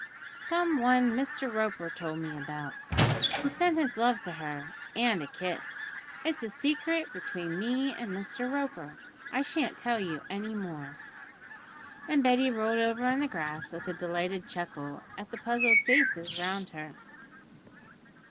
'Some one Mr. Roper told me about. He sent his love to her and a kiss. It's a secret between me and Mr. Roper, I shan't tell you any more.' And Betty rolled over in the grass with a delighted chuckle at the puzzled faces round her.